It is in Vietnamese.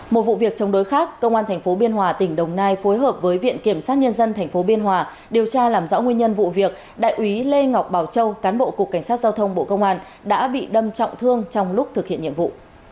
một vụ việc chống đối khác công an tp biên hòa tỉnh đồng nai phối hợp với viện kiểm sát nhân dân tp biên hòa điều tra làm rõ nguyên nhân vụ việc đại úy lê ngọc bảo châu cán bộ cục cảnh sát giao thông bộ công an đã bị đâm trọng thương trong lúc thực hiện nhiệm vụ